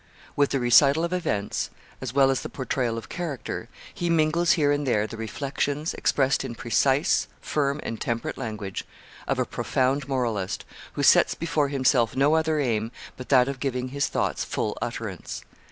With the recital of events, as well as the portrayal of character, he mingles here and there the reflections, expressed in precise, firm, and temperate language, of a profound moralist, who sets before himself no other aim but that of giving his thoughts full utterance.